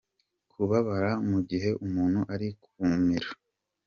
Kubabara mu gihe umuntu ari kumira.